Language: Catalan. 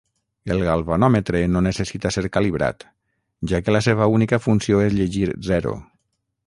El galvanòmetre no necessita ser calibrat, ja que la seva única funció és llegir zero.